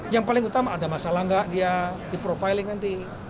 yang paling utama ada masalah nggak dia di profiling nanti